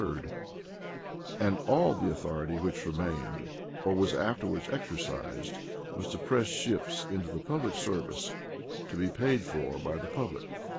[*] and all the authority which remained, or was afterwards exercised, was to press ships into the public service, to be paid for by the public.